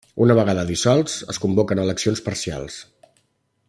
Una vegada dissolts, es convoquen eleccions parcials.